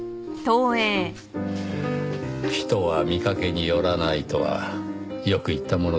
人は見かけによらないとはよく言ったものですねぇ。